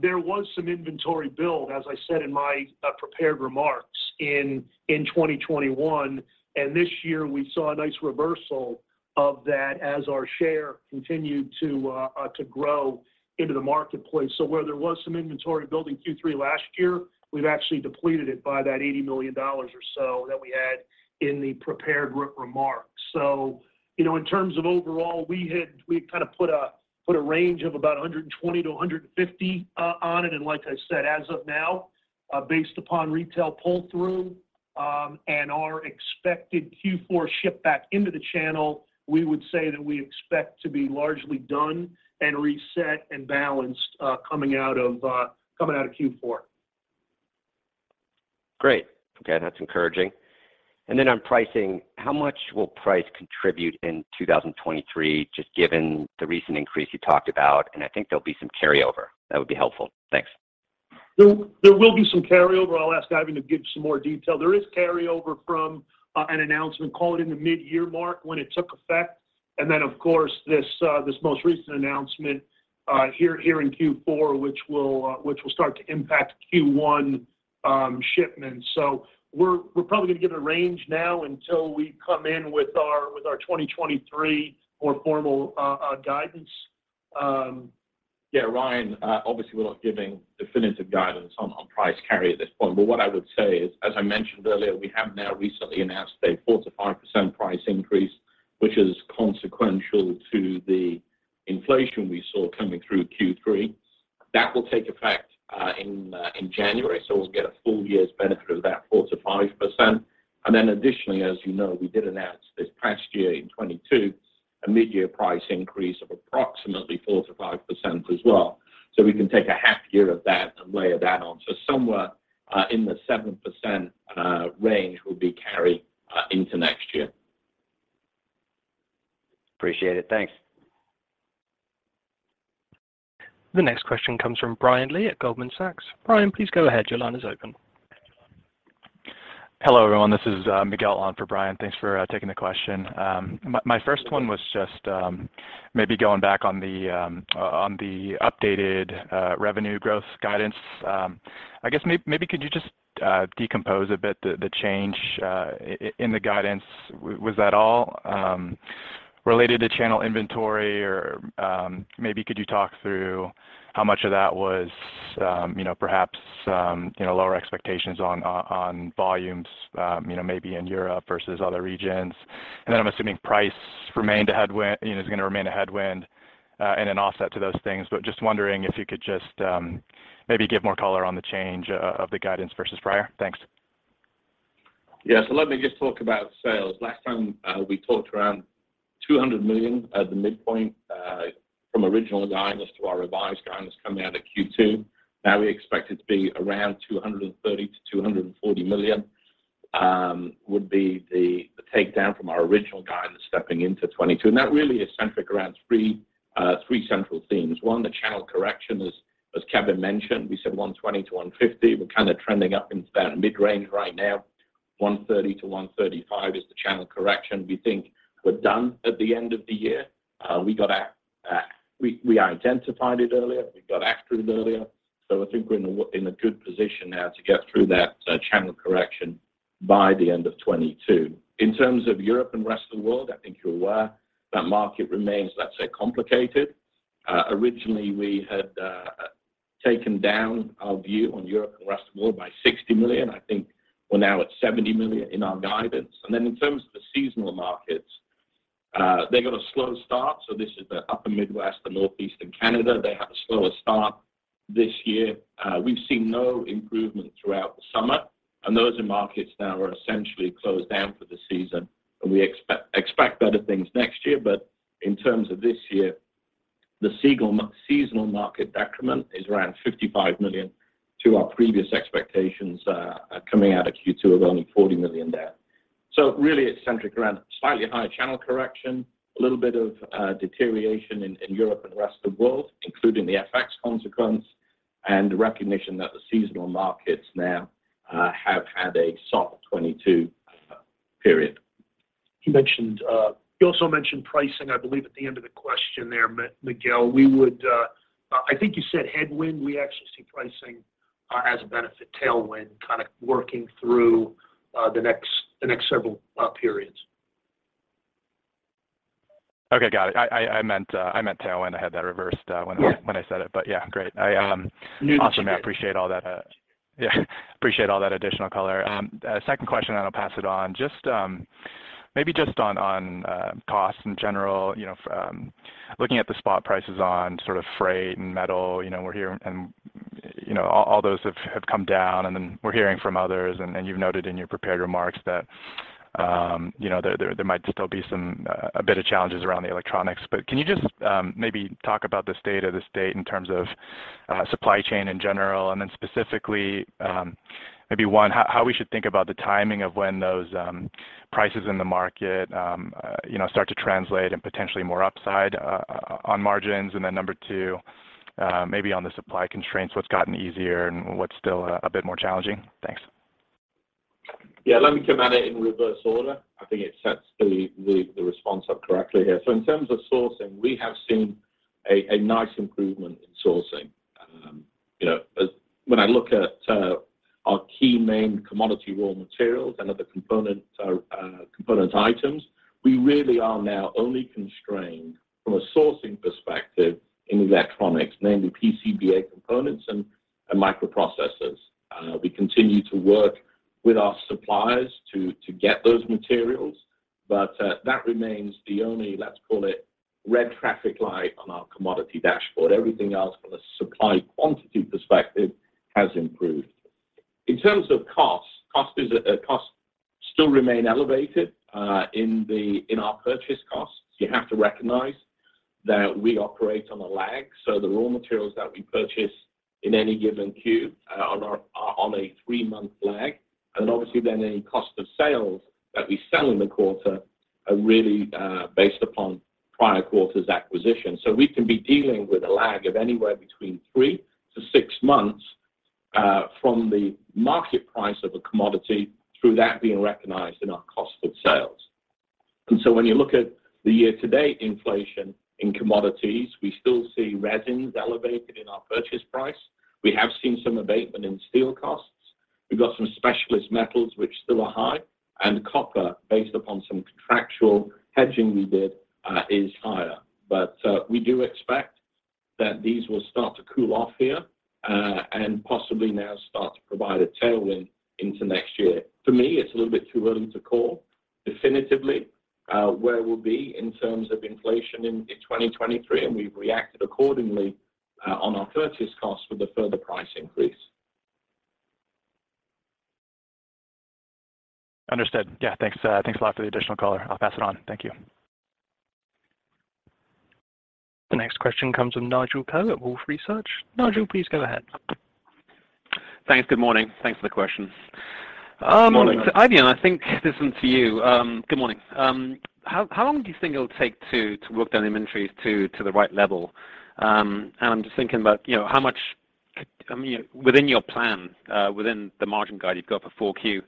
S3: there was some inventory build, as I said in my prepared remarks in 2021. This year we saw a nice reversal of that as our share continued to grow into the marketplace. Where there was some inventory build in Q3 last year, we've actually depleted it by that $80 million or so that we had in the prepared remarks. In terms of overall, we kind of put a range of about $120 million-$150 million on it. Like I said, as of now, based upon retail pull-through and our expected Q4 ship back into the channel, we would say that we expect to be largely done and reset and balanced coming out of Q4.
S6: Great. Okay, that's encouraging. On pricing, how much will price contribute in 2023, just given the recent increase you talked about? I think there'll be some carryover. That would be helpful. Thanks.
S3: There will be some carryover. I'll ask Eifion to give some more detail. There is carryover from an announcement, call it in the midyear mark when it took effect. Of course this most recent announcement here in Q4, which will start to impact Q1 shipments. We're probably gonna give it a range now until we come in with our 2023 more formal guidance.
S4: Yeah, Ryan, obviously we're not giving definitive guidance on price carry at this point. What I would say is, as I mentioned earlier, we have now recently announced a 4%-5% price increase, which is consequential to the inflation we saw coming through Q3. That will take effect in January, so we'll get a full year's benefit of that 4%-5%. Additionally, as you know, we did announce this past year in 2022, a mid-year price increase of approximately 4%-5% as well. We can take a half year of that and layer that on. Somewhere in the 7% range will be carry into next year.
S6: Appreciate it. Thanks.
S1: The next question comes from Brian Lee at Goldman Sachs. Brian, please go ahead. Your line is open.
S7: Hello, everyone. This is Miguel on for Brian. Thanks for taking the question. My first one was just maybe going back on the updated revenue growth guidance. I guess maybe could you just decompose a bit the change in the guidance. Was that all related to channel inventory or maybe could you talk through how much of that was, you know, perhaps, you know, lower expectations on volumes, you know, maybe in Europe versus other regions? And then I'm assuming price remained a headwind, you know, is gonna remain a headwind and an offset to those things. Just wondering if you could just maybe give more color on the change of the guidance versus prior. Thanks.
S4: Yeah. Let me just talk about sales. Last time, we talked around $200 million at the midpoint, from original guidance to our revised guidance coming out of Q2. Now we expect it to be around $230 million-$240 million, would be the takedown from our original guidance stepping into 2022. That really is centric around three central themes. One, the channel correction. As Kevin mentioned, we said $120 million-$150 million. We're kind of trending up into that mid-range right now. $130 million-$135 million is the channel correction. We think we're done at the end of the year. We got a— We identified it earlier, we got ahead earlier, so I think we're in a good position now to get through that channel correction by the end of 2022. In terms of Europe & Rest of World, I think you're aware that market remains, let's say, complicated. Originally, we had taken down our view on Europe & Rest of World by $60 million. I think we're now at $70 million in our guidance. Then in terms of the seasonal markets, they got a slow start, so this is the upper Midwest, the Northeast and Canada. They have a slower start this year. We've seen no improvement throughout the summer, and those markets now are essentially closed down for the season, and we expect better things next year. In terms of this year, the seasonal market decrement is around $55 million to our previous expectations, coming out of Q2 of only $40 million there. Really it's centric around slightly higher channel correction, a little bit of deterioration in Europe and the rest of the world, including the FX consequence and the recognition that the seasonal markets now have had a soft 2022 period.
S3: You also mentioned pricing, I believe at the end of the question there, Miguel. I think you said headwind. We actually see pricing as a benefit tailwind, kind of working through the next several periods.
S7: Okay. Got it. I meant tailwind. I had that reversed.
S4: Yeah.
S7: When I said it, but yeah, great.
S4: Knew what you meant.
S7: Awesome. I appreciate all that, yeah, appreciate all that additional color. Second question. I'll pass it on. Just maybe just on costs in general, you know, looking at the spot prices on sort of freight and metal, you know, we're hearing and, you know, all those have come down and then we're hearing from others and you've noted in your prepared remarks that, you know, there might still be some, a bit of challenges around the electronics. Can you just maybe talk about the state to date in terms of supply chain in general? And then specifically, maybe on how we should think about the timing of when those prices in the market, you know, start to translate and potentially more upside on margins. Number two, maybe on the supply constraints, what's gotten easier and what's still a bit more challenging? Thanks.
S4: Yeah. Let me come at it in reverse order. I think it sets the response up correctly here. In terms of sourcing, we have seen a nice improvement in sourcing. You know, when I look at our key main commodity raw materials and other component items, we really are now only constrained from a sourcing perspective in electronics, namely PCBA components and microprocessors. We continue to work with our suppliers to get those materials, but that remains the only, let's call it red traffic light on our commodity dashboard. Everything else from a supply quantity perspective has improved. In terms of costs still remain elevated in our purchase costs. You have to recognize that we operate on a lag. The raw materials that we purchase in any given Q, on our, on a three-month lag, and obviously then any cost of sales that we sell in the quarter are really based upon prior quarter's acquisition. We can be dealing with a lag of anywhere between three to six months from the market price of a commodity through that being recognized in our cost of sales. When you look at the year-to-date inflation in commodities, we still see resins elevated in our purchase price. We have seen some abatement in steel costs. We've got some specialist metals which still are high, and copper based upon some contractual hedging we did is higher. We do expect that these will start to cool off here and possibly now start to provide a tailwind into next year. For me, it's a little bit too early to call definitively where we'll be in terms of inflation in 2023, and we've reacted accordingly on our purchase costs with a further price increase.
S7: Understood. Yeah, thanks a lot for the additional color. I'll pass it on. Thank you.
S1: The next question comes from Nigel Coe at Wolfe Research. Nigel, please go ahead.
S8: Thanks. Good morning. Thanks for the questions.
S3: Good morning.
S8: Eifion, I think this one's to you. Good morning. How long do you think it'll take to work down inventories to the right level? I'm just thinking about, you know, how much, I mean, within your plan, within the margin guide you've got for 4Q,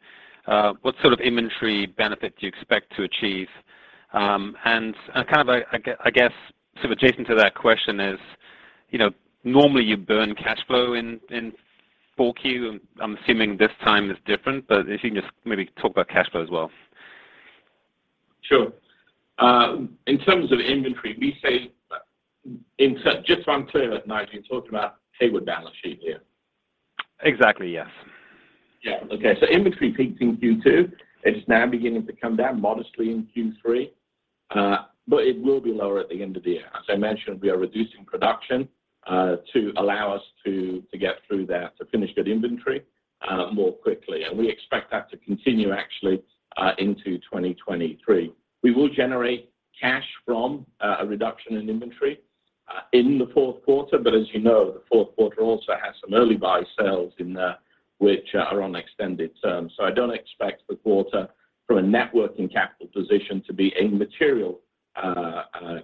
S8: what sort of inventory benefit do you expect to achieve? Kind of, I guess, sort of adjacent to that question is, you know, normally you burn cash flow in 4Q. I'm assuming this time is different, but if you can just maybe talk about cash flow as well.
S4: Sure. Just so I'm clear, Nigel, you're talking about Hayward balance sheet here?
S8: Exactly, yes.
S4: Yeah. Okay. Inventory peaked in Q2. It is now beginning to come down modestly in Q3. It will be lower at the end of the year. As I mentioned, we are reducing production to allow us to get through that, to finished goods inventory more quickly. We expect that to continue actually into 2023. We will generate cash from a reduction in inventory in the fourth quarter, but as you know, the fourth quarter also has some early buy sales in there, which are on extended terms. I don't expect the quarter from a net working capital position to be a material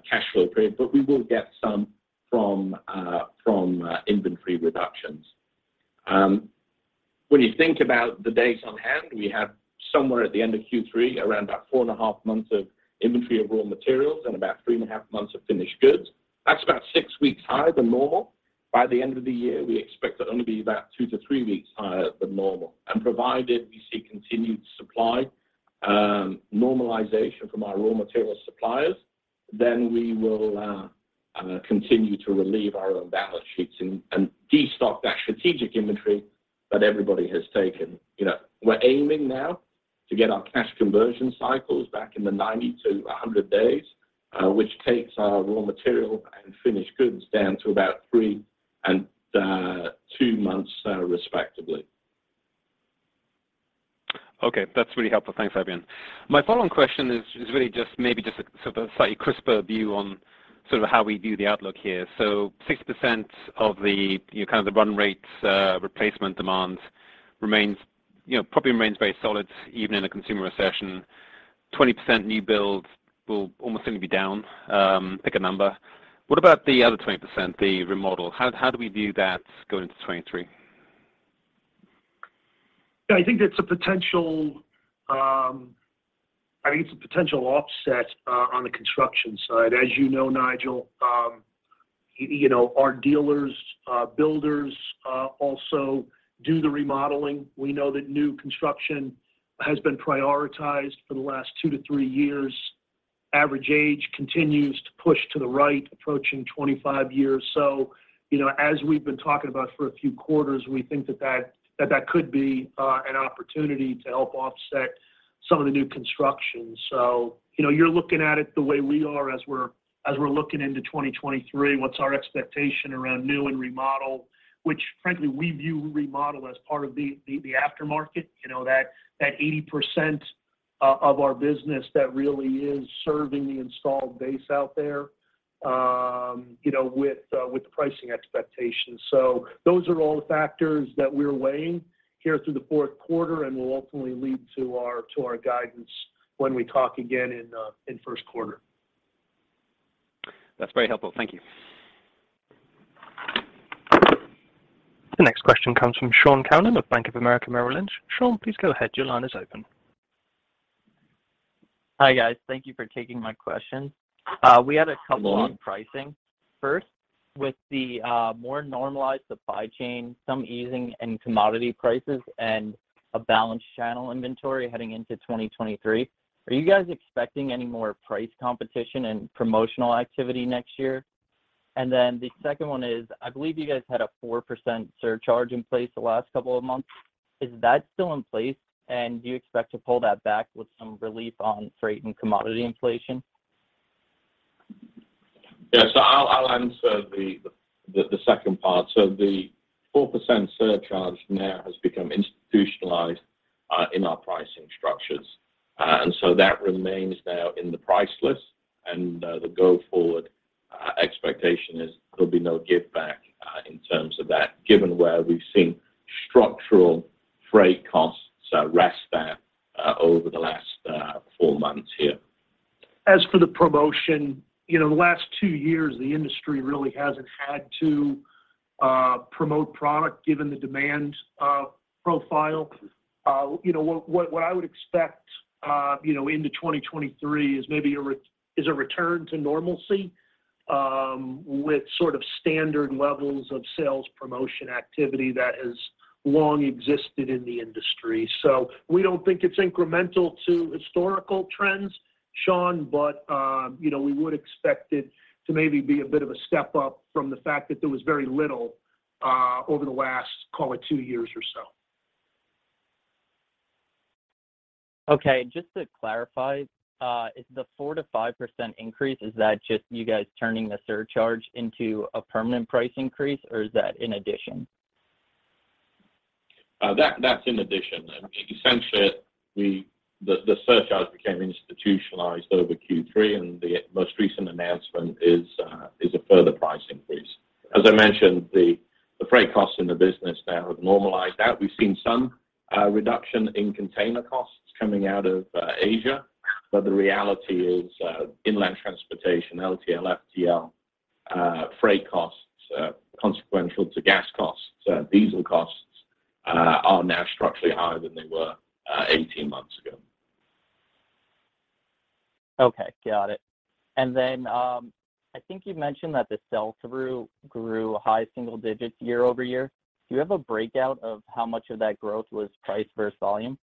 S4: cash flow period. We will get some from inventory reductions. When you think about the days on hand, we have somewhere at the end of Q3, around about 4.5 months of inventory of raw materials and about 3.5 months of finished goods. That's about six weeks higher than normal. By the end of the year, we expect to only be about two to three weeks higher than normal. Provided we see continued supply normalization from our raw material suppliers, then we will continue to relieve our own balance sheets and destock that strategic inventory that everybody has taken. You know, we're aiming now to get our cash conversion cycles back in the 90 days-100 days, which takes our raw material and finished goods down to about three and two months, respectively.
S8: Okay. That's really helpful. Thanks, Eifion. My follow-on question is really just a sort of slightly crisper view on sort of how we view the outlook here. 6% of the, you know, kind of the run rates, replacement demands remains, you know, probably remains very solid even in a consumer recession. 20% new builds will almost certainly be down, pick a number. What about the other 20%, the remodel? How do we view that going into 2023?
S3: Yeah, I think that's a potential. I think it's a potential offset on the construction side. As you know, Nigel, you know, our dealers, builders, also do the remodeling. We know that new construction has been prioritized for the last two to three years. Average age continues to push to the right, approaching 25 years. You know, as we've been talking about for a few quarters, we think that that could be an opportunity to help offset some of the new construction. You know, you're looking at it the way we are as we're looking into 2023, what's our expectation around new and remodel, which frankly, we view remodel as part of the aftermarket. You know, that 80% of our business that really is serving the installed base out there, you know, with the pricing expectations. Those are all the factors that we're weighing here through the fourth quarter and will ultimately lead to our guidance when we talk again in first quarter.
S8: That's very helpful. Thank you.
S1: The next question comes from Shaun Calnan of Bank of America Securities. Shaun, please go ahead. Your line is open.
S9: Hi, guys. Thank you for taking my questions. We had a couple-
S4: Good morning....
S9: on pricing. First, with the more normalized supply chain, some easing in commodity prices and a balanced channel inventory heading into 2023, are you guys expecting any more price competition and promotional activity next year? The second one is, I believe you guys had a 4% surcharge in place the last couple of months. Is that still in place, and do you expect to pull that back with some relief on freight and commodity inflation?
S4: Yeah. I'll answer the second part. The 4% surcharge now has become institutionalized in our pricing structures. That remains now in the price list and the go forward expectation is there'll be no give back in terms of that, given where we've seen structural freight costs rest there over the last four months here.
S3: As for the promotion, you know, the last two years, the industry really hasn't had to promote product given the demand profile. You know, what I would expect, you know, into 2023 is maybe a return to normalcy, with sort of standard levels of sales promotion activity that has long existed in the industry. We don't think it's incremental to historical trends, Sean, but, you know, we would expect it to maybe be a bit of a step up from the fact that there was very little over the last, call it two years or so.
S9: Okay. Just to clarify, is the 4%-5% increase, is that just you guys turning the surcharge into a permanent price increase, or is that in addition?
S4: That's in addition. Essentially, the surcharge became institutionalized over Q3, and the most recent announcement is a further price increase. As I mentioned, the freight costs in the business now have normalized out. We've seen some reduction in container costs coming out of Asia, but the reality is, inland transportation, LTL/FTL, freight costs, consequential to gas costs, diesel costs, are now structurally higher than they were 18 months ago.
S9: Okay. Got it. I think you mentioned that the sell-through grew high single digits year-over-year. Do you have a breakout of how much of that growth was price versus volume?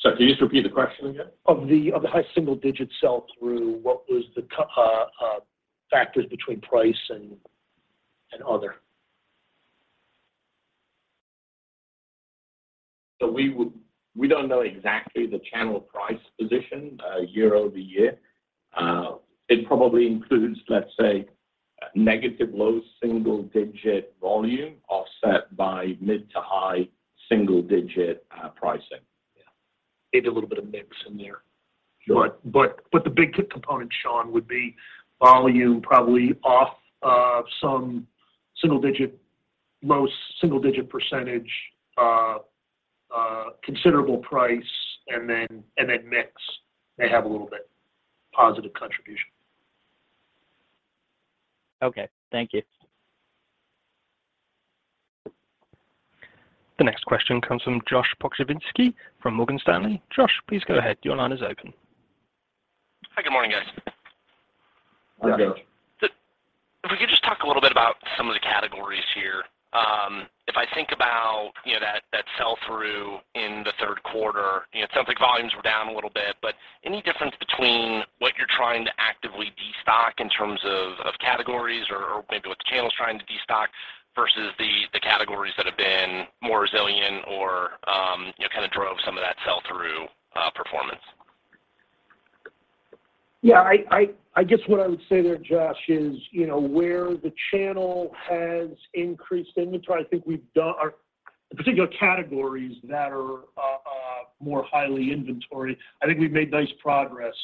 S4: Sorry, can you just repeat the question again?
S3: Of the high single-digit sell-through, what was the factors between price and other?
S4: We don't know exactly the channel price position year-over-year. It probably includes, let's say, negative low-single-digit volume offset by mid to high-single-digit pricing.
S3: Yeah. Maybe a little bit of mix in there.
S4: Sure.
S3: The big component, Shaun, would be volume probably off of some single-digit, low single-digit %, considerable price and then mix. They have a little bit positive contribution.
S9: Okay. Thank you.
S1: The next question comes from Josh Pokrzywinski from Morgan Stanley. Josh, please go ahead. Your line is open.
S10: Hi. Good morning, guys.
S4: Hi, Josh.
S10: If we could just talk a little bit about some of the categories here. If I think about, you know, that sell-through in the third quarter, you know, it sounds like volumes were down a little bit, but any difference between what you're trying to actively destock in terms of categories or maybe what the channel's trying to destock versus the categories that have been more resilient or, you know, kind of drove some of that sell-through performance?
S3: Yeah, I guess what I would say there, Josh, is, you know, where the channel has increased inventory or particular categories that are more highly inventoried, I think we've made nice progress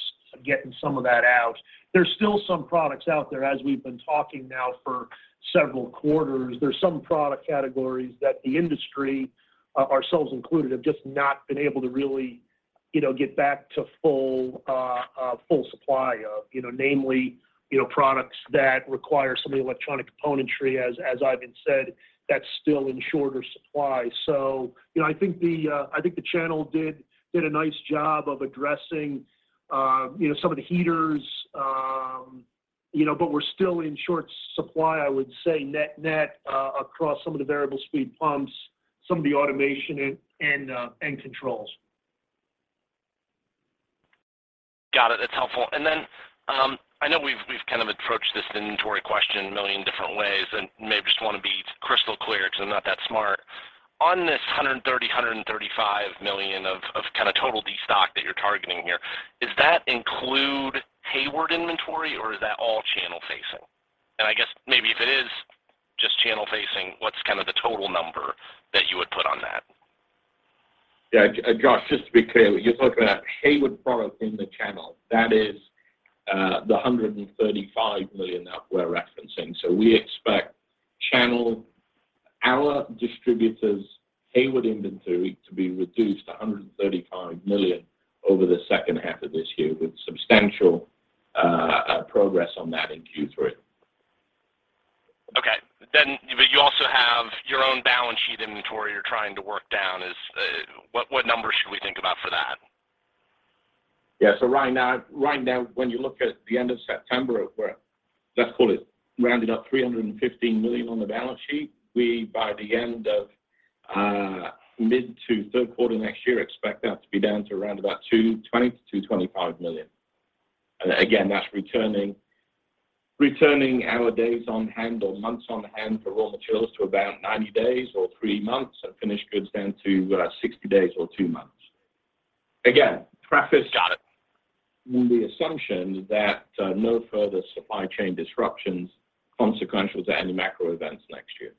S3: getting some of that out. There's still some products out there, as we've been talking now for several quarters. There's some product categories that the industry, ourselves included, have just not been able to really, you know, get back to full supply of. You know, namely, you know, products that require some of the electronic componentry, as Eifion Jones said, that's still in shorter supply. You know, I think the channel did a nice job of addressing, you know, some of the heaters, you know, but we're still in short supply, I would say net-net, across some of the variable speed pumps, some of the automation and controls.
S10: Got it. That's helpful. I know we've kind of approached this inventory question a million different ways and maybe just wanna be crystal clear because I'm not that smart. On this $135 million of kind of total destock that you're targeting here, does that include Hayward inventory, or is that all channel facing? I guess maybe if it is just channel facing, what's kind of the total number that you would put on that?
S4: Yeah, Josh, just to be clear, you're talking about Hayward product in the channel. That is, the $135 million that we're referencing. We expect channel, our distributors' Hayward inventory to be reduced to $135 million over the second half of this year with substantial progress on that in Q3.
S10: You also have your own balance sheet inventory you're trying to work down as, what number should we think about for that?
S4: Yeah. Right now, when you look at the end of September of where, let's call it rounded up $315 million on the balance sheet, we by the end of mid to third quarter next year expect that to be down to around about $220 million-$225 million. Again, that's returning our days on hand or months on hand for raw materials to about 90 days or three months and finished goods then to 60 days or two months. Again, preface-
S10: Got it....
S4: on the assumption that no further supply chain disruptions consequential to any macro events next year.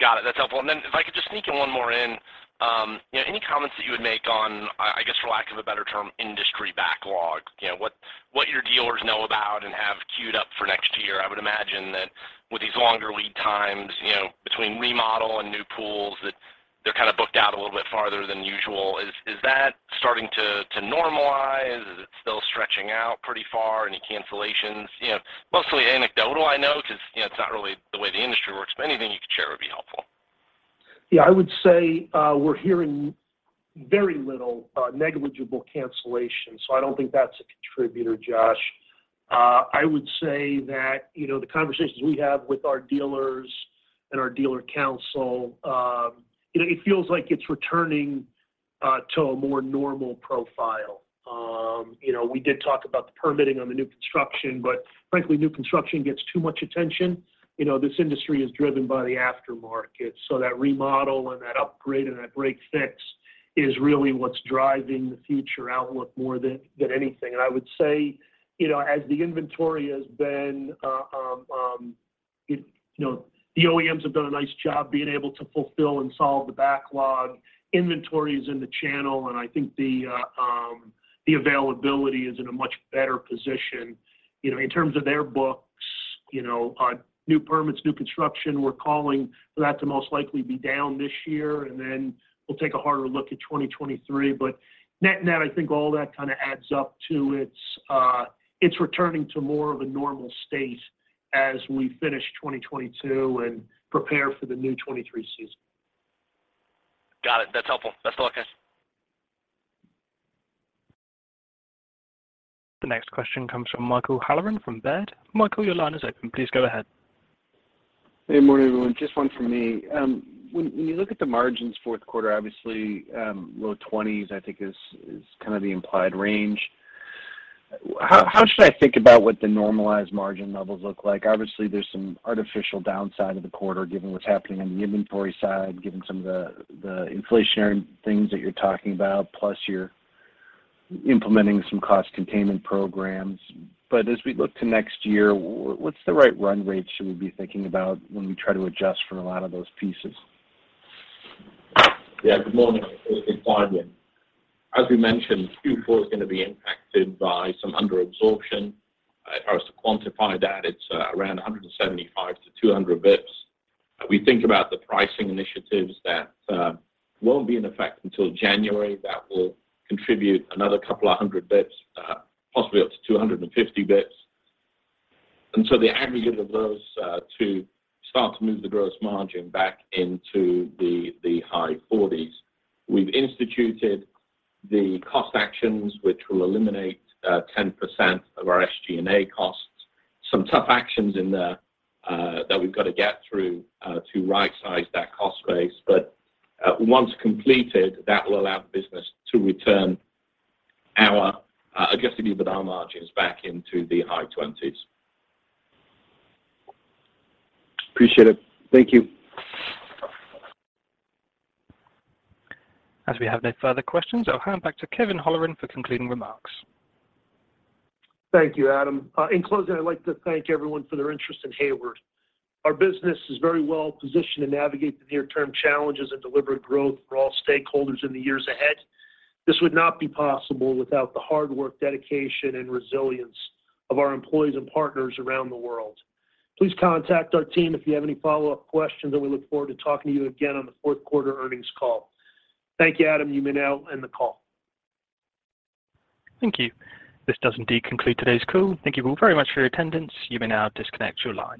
S10: Got it. That's helpful. Then if I could just sneak one more in. You know, any comments that you would make on, I guess for lack of a better term, industry backlog? You know, what your dealers know about and have queued up for next year? I would imagine that with these longer lead times, you know, between remodel and new pools, that they're kind of booked out a little bit farther than usual. Is that starting to normalize? Is it still stretching out pretty far? Any cancellations? You know, mostly anecdotal I know, 'cause, you know, it's not really the way the industry works, but anything you could share would be helpful.
S3: Yeah, I would say we're hearing very little, negligible cancellation, so I don't think that's a contributor, Josh. I would say that, you know, the conversations we have with our dealers and our dealer council, you know, it feels like it's returning to a more normal profile. You know, we did talk about the permitting on the new construction, but frankly, new construction gets too much attention. You know, this industry is driven by the aftermarket, so that remodel and that upgrade and that break fix is really what's driving the future outlook more than anything. I would say, you know, as the inventory has been, you know, the OEMs have done a nice job being able to fulfill and solve the backlog. Inventory is in the channel, and I think the availability is in a much better position. You know, in terms of their books, you know, our new permits, new construction, we're calling for that to most likely be down this year, and then we'll take a harder look at 2023. Net-net, I think all that kinda adds up to it's returning to more of a normal state as we finish 2022 and prepare for the new 2023 season.
S10: Got it. That's helpful. Best of luck, guys.
S1: The next question comes from Michael Halloran from Baird. Michael, your line is open. Please go ahead.
S11: Hey, morning, everyone. Just one from me. When you look at the margins fourth quarter, obviously, low 20s%, I think is kind of the implied range. How should I think about what the normalized margin levels look like? Obviously, there's some artificial downside of the quarter given what's happening on the inventory side, given some of the inflationary things that you're talking about, plus you're implementing some cost containment programs. As we look to next year, what's the right run rate should we be thinking about when we try to adjust for a lot of those pieces?
S4: Yeah, good morning. It's Eifion Jones. As we mentioned, Q4 is gonna be impacted by some under absorption. If I was to quantify that, it's around 175 basis points-200 basis points. We think about the pricing initiatives that won't be in effect until January. That will contribute another couple of hundred basis points, possibly up to 250 basis points. The aggregate of those to start to move the gross margin back into the high 40s%. We've instituted the cost actions, which will eliminate 10% of our SG&A costs. Some tough actions in there that we've got to get through to rightsize that cost base. Once completed, that will allow the business to return our adjusted EBITDA margins back into the high 20s%.
S11: Appreciate it. Thank you.
S1: As we have no further questions, I'll hand back to Kevin Holleran for concluding remarks.
S3: Thank you, Adam. In closing, I'd like to thank everyone for their interest in Hayward. Our business is very well positioned to navigate the near-term challenges and deliberate growth for all stakeholders in the years ahead. This would not be possible without the hard work, dedication, and resilience of our employees and partners around the world. Please contact our team if you have any follow-up questions, and we look forward to talking to you again on the fourth quarter earnings call. Thank you, Adam. You may now end the call.
S1: Thank you. This does indeed conclude today's call. Thank you all very much for your attendance. You may now disconnect your lines.